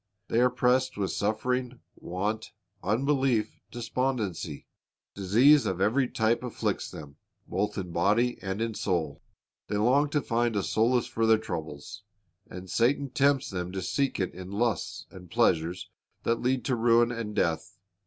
They are pressed with suffering, want, unbelief, despondency. Disease of every type afflicts them, both in body and in soul. They long to find a solace for their troubles, and Satan tempts them to seek it in lusts and pleasures that lead to ruin and death.